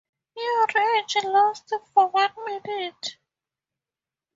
Your rage lasts for one minute.